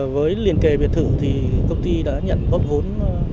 với liền kề biệt thử thì công ty đã nhận góp vốn